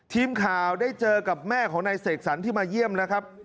ทีมข่าวได้เจอกับแม่ของนายเสกสรรที่มาเยี่ยมนะครับ